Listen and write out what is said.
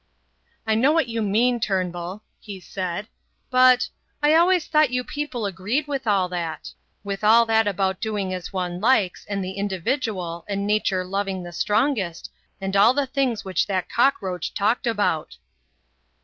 "I know what you mean, Turnbull," he said, "but... I always thought you people agreed with all that." "With all that about doing as one likes, and the individual, and Nature loving the strongest, and all the things which that cockroach talked about."